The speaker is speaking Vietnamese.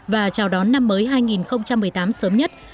và chào đón năm mới hai nghìn một mươi tám sớm nhất